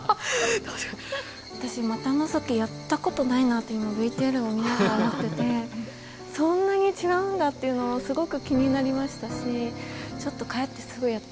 私股のぞきやったことないなって今ＶＴＲを見ながら思っててそんなに違うんだっていうのすごく気になりましたしちょっと帰ってすぐやってみようかなと。